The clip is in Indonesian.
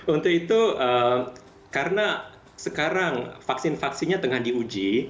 untuk itu karena sekarang vaksin vaksinnya tengah diuji